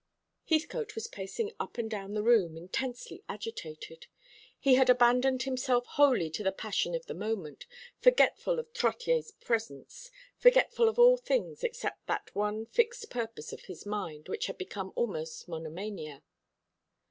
'" Heathcote was pacing up and down the room, intensely agitated. He had abandoned himself wholly to the passion of the moment, forgetful of Trottier's presence, forgetful of all things except that one fixed purpose of his mind which had become almost monomania.